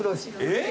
えっ！？